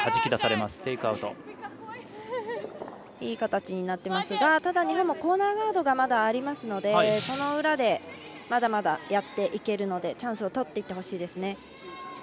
いい形になってますが日本もコーナーガードがまだありますのでその裏でまだまだやっていけるのでチャンスをとっていってほしいです。